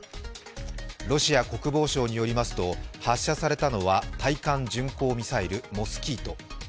ロシア国防省によりますと発射されたのは対艦巡航ミサイル・モスキート。